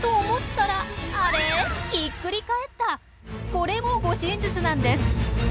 これも護身術なんです。